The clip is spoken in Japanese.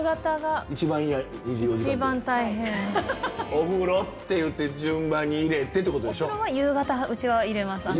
お風呂って言って順番に入れてってことでしょ？